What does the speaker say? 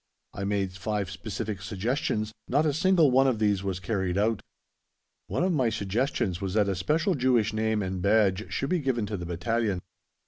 I made five specific suggestions; not a single one of these was carried out. One of my suggestions was that a special Jewish name and badge should be given to the battalion.